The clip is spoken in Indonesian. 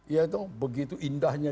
ya itu begitu indahnya